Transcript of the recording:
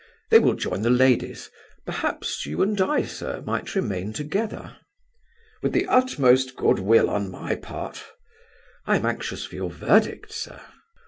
They will join the ladies. Perhaps you and I, sir, might remain together." "With the utmost good will on my part." "I am anxious for your verdict, sir."